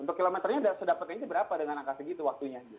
untuk kilometernya sudah berapa dengan angka segitu waktunya